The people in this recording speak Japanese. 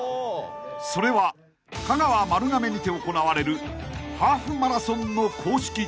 ［それは香川丸亀にて行われるハーフマラソンの公式大会］